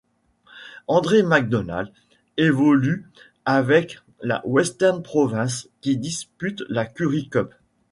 André McDonald évolue avec la Western Province qui dispute la Currie Cup.